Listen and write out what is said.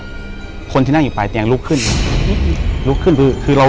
อยู่ที่แม่ศรีวิรัยิลครับ